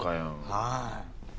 はい。